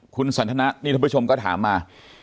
คุณสัทนนะนิทยาประชมก็ถามมา